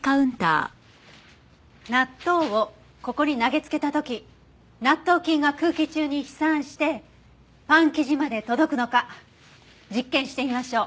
納豆をここに投げつけた時納豆菌が空気中に飛散してパン生地まで届くのか実験してみましょう。